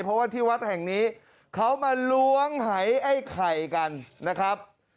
เพราะว่าที่วัดแห่งนี้เขามาล้วงหายไอ้ไข่กันนะครับ